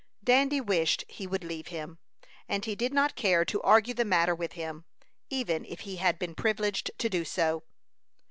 Dandy wished he would leave him, and he did not care to argue the matter with him, even if he had been privileged to do so.